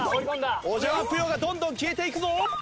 おじゃまぷよがどんどん消えていくぞ。